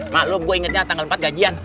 maklum gue ingetnya tanggal empat gajian